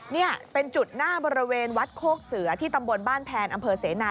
นี่เป็นจุดหน้าบริเวณวัดโคกเสือที่ตำบลบ้านแพนอำเภอเสนา